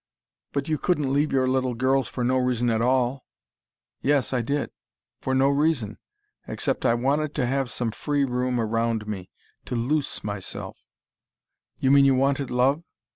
"But you couldn't leave your little girls for no reason at all " "Yes, I did. For no reason except I wanted to have some free room round me to loose myself " "You mean you wanted love?"